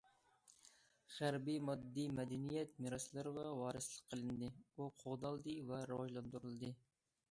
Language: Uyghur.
غەربىي ماددىي مەدەنىيەت مىراسلىرىغا ۋارىسلىق قىلىندى، ئۇ قوغدالدى ۋە راۋاجلاندۇرۇلدى.